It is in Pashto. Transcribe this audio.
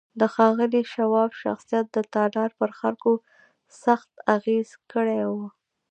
د ښاغلي شواب شخصیت د تالار پر خلکو سخت اغېز کړی و